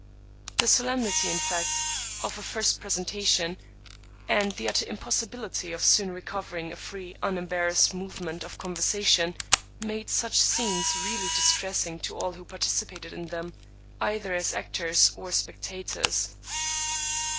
The so lemnity, in fact, of a first presentation, and the utter impossibility of soon recovering a free, unembarrassed movement of conversation, made such scenes really dis tressing to all who participated in them, either as actors or spectators.